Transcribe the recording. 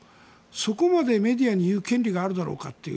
そこまでメディアに言う権利があるだろうかっていう。